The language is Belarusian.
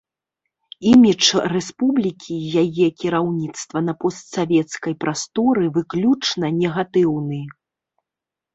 Імідж рэспублікі і яе кіраўніцтва на постсавецкай прасторы выключна негатыўны.